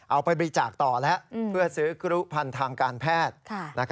เอาไปบริจาคต่อแล้วเพื่อซื้อกรุพันธ์ทางการแพทย์